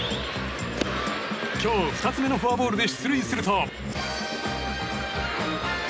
今日２つ目のフォアボールで出塁すると。